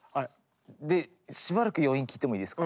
でしばらく余韻聴いてもいいですか。